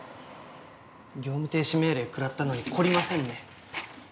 業務停止命令くらったのに懲りませんね